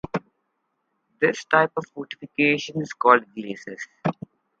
This type of fortification is called glacis.